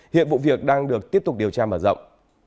hiện vụ việc đang được tiếp tục điều tra mở rộng